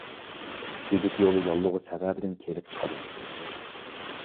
سۈيدۈك يولى ياللۇغى سەۋەبىدىن كېلىپ چىقىدۇ.